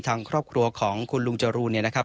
ทางครอบครัวของคุณลุงจรูนเนี่ยนะครับ